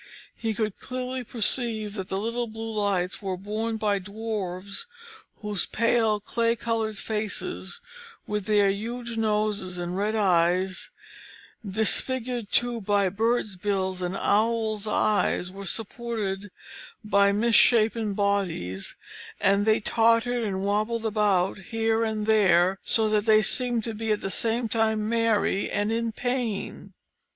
He could clearly perceive that the little blue lights were borne by Dwarfs whose pale clay coloured faces, with their huge noses and red eyes, disfigured too by birds' bills and owls' eyes, were supported by misshapen bodies, and they tottered and wabbled about here and there, so that they seemed to be at the same time merry and in pain.